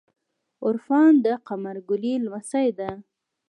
عرفان د قمر ګلی لمسۍ ده.